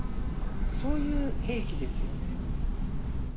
そういう兵器ですよね。